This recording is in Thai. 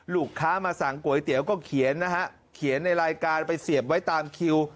ลูกค้ามาสั่งก๋วยเตี๋ยวก็เขียนนะฮะเขียนในรายการไปเสียบไว้ตามคิว